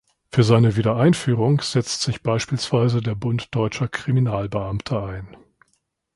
Für seine Wiedereinführung setzt sich beispielsweise der Bund Deutscher Kriminalbeamter ein.